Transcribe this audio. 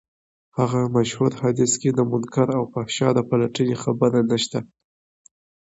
هغه مشهور حديث کې د منکر او فحشا د پلټنې خبره نشته.